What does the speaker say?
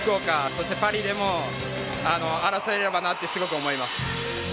そしてパリでも争えればなってすごく思います。